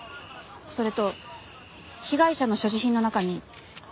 それと被害者の所持品の中に。